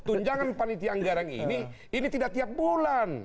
tunjangan panitia anggaran ini ini tidak tiap bulan